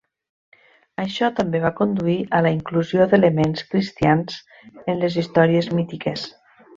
Això també va conduir a la inclusió d'elements cristians en les històries mítiques.